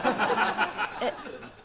えっ？